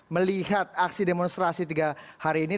melihat aksi demonstrasi tiga hari ini